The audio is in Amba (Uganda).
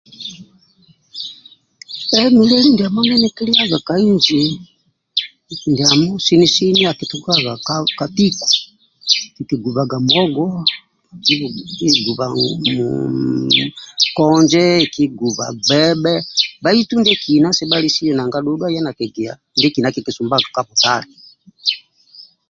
Lieli ndiamo ndie nikiliaga ka inji sini sini akitukaga ka nikigubaga muogo kiguba konje kiguba konje kiguba gbebhe bbaitu ndietolo nanga dhudhu aya nakigia ndiekina kikisumbaga ka butale